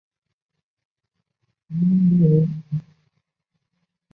她的雕像也出现在伦敦西敏寺的西门上方。